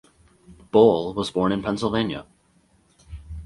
Boal was born in Pennsylvania.